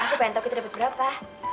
aku pengen tahu kita dapat berapa